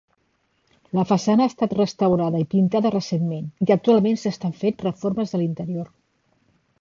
La façana ha estat restaurada i pintada recentment i actualment s'estan fent reformes a l'interior.